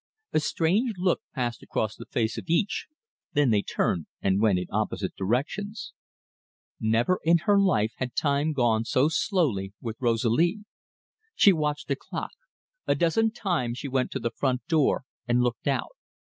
A strange look passed across the face of each, then they turned and went in opposite directions. Never in her life had time gone so slowly with Rosalie. She watched the clock. A dozen times she went to the front door and looked out.